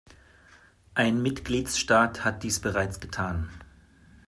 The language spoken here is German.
Ein Mitgliedstaat hat dies bereits getan.